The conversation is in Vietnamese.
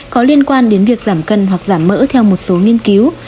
có liên quan đến việc giảm cân hoặc giảm mỡ theo một số nghiên cứu